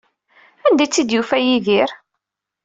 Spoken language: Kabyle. Anda ay tt-id-yufa Yidir?